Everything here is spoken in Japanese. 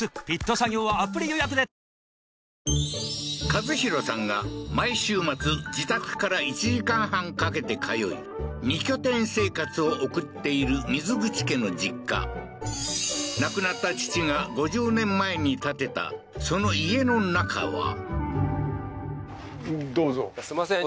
一洋さんが毎週末自宅から１時間半かけて通い二拠点生活を送っている水口家の実家亡くなった父が５０年前に建てたその家の中はすいません